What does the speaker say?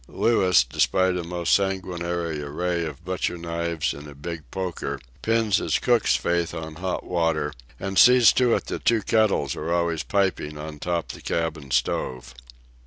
Louis, despite a most sanguinary array of butcher knives and a big poker, pins his cook's faith on hot water and sees to it that two kettles are always piping on top the cabin stove.